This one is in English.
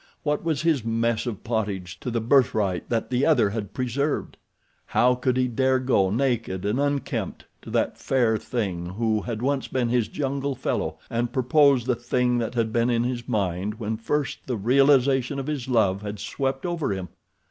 What was his "mess of pottage" to the birthright that the other had preserved? How could he dare go, naked and unkempt, to that fair thing who had once been his jungle fellow and propose the thing that had been in his mind when first the realization of his love had swept over him?